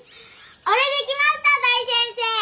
俺できました大先生！